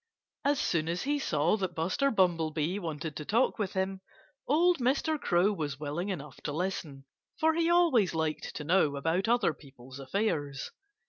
As soon as he saw that Buster Bumblebee wanted to talk with him, old Mr. Crow was willing enough to listen, for he always liked to know about other people's affairs.